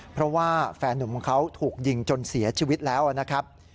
เพราะว่าแฟนหนุ่มของเขาถูกยิงจนเสียชีวิตแล้วนะครับ